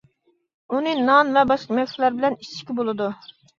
ئۇنى نان ۋە باشقا يېمەكلىكلەر بىلەن ئىچىشكە بولىدۇ.